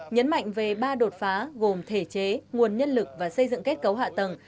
nhấn mạnh về ba đột phá gồm thể chế nguồn nhân lực và xây dựng kết cấu hạ tầng